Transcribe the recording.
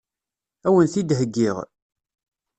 Ad wen-t-id-heggiɣ?